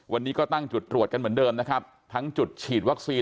วันนี้ก็ตั้งจุดตรวจกันเหมือนเดิมนะครับทั้งจุดฉีดวัคซีน